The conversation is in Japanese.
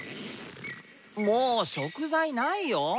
もう食材ないよー。